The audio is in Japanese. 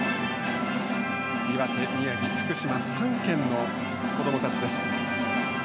岩手、宮城、福島３県の子どもたちです。